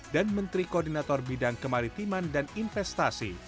dan menteri koordinator bidang kemaritiman dan investasi